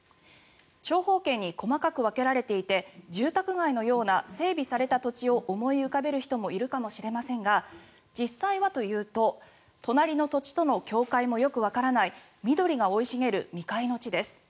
長方形に細かく分けられていて住宅地のように細かく分けられた土地を思い浮かべる方もいるかもしれませんが実際はというと隣の土地との境界もよくわからない緑が生い茂る未開の地です。